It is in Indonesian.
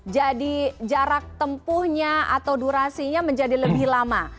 jadi jarak tempuhnya atau durasinya menjadi lebih lama